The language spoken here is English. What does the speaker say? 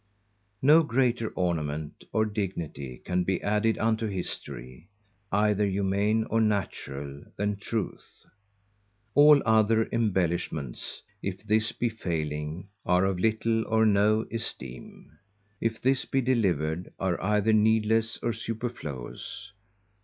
No greater ornament or dignity can be added unto History, either humane or natural, than truth. All other embellishments, if this be failing, are of little or no esteem; if this be delivered, are either needless or superfluous.